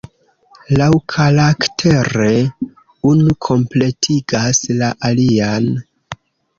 Laŭkaraktere unu kompletigas la alian.